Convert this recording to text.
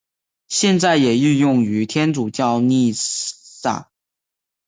现在也应用于天主教弥撒。